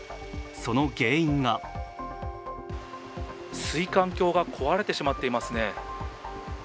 その原因が水管橋が壊れてしまっていますね。